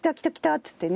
っつってね。